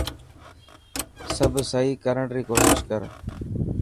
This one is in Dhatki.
سڀ سهي ڪرڻ ري ڪوشش ڪر.